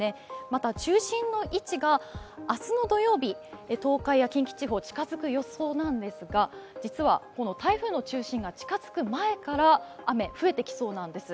また中心の位置が明日の土曜日、東海や近畿地方に近づく予想ですが実はこの台風の中心が近づく前から雨、増えてきそうなんです。